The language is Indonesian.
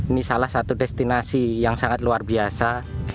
ini salah satu destinasi yang sangat luar biasa